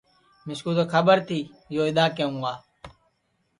مِسکُو تو کھٻر تی یو اِدؔا کیہوں گا